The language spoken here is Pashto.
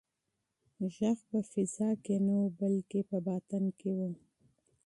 غږ په فضا کې نه و بلکې په باطن کې و.